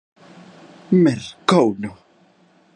Mercouno.